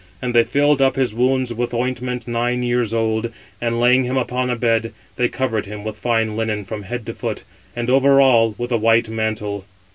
And they filled up his wounds with ointment nine years old; and laying him upon a bed, they covered him with fine linen from head to foot; and over all, with a white mantle.